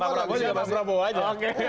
pak prabowo juga pak jk aja